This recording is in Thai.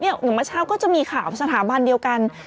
อย่างเมื่อเช้าก็จะมีข่าวสถาบันเดียวกัน